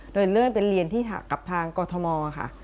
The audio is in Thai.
โดยเริ่มเป็นเรียนที่กับทางกรทมค่ะ